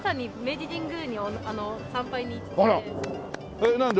えっなんで？